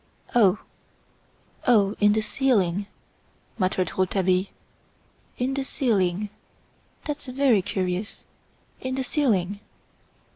"Oh! oh! in the ceiling!" muttered Rouletabille. "In the ceiling! That's very curious! In the ceiling!"